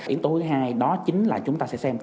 yếu tố thứ hai đó chính là chúng ta sẽ xem